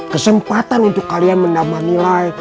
kesempatan untuk kalian menambah nilai